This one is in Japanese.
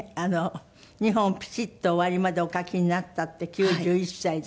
２本ピチッと終わりまでお書きになったって９１歳で。